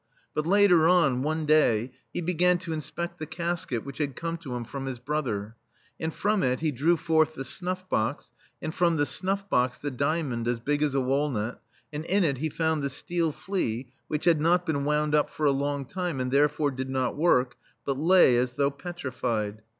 But later on, one day, he began to inspect the casket which had come to him from his brother, and from it he drew forth the snufF box, and from the snufF box the diamond as big as a walnut, and in it he found the steel flea, which had not been wound up for a long time, and therefore did not work, but lay as though petrified.